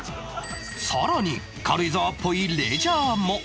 更に軽井沢っぽいレジャーも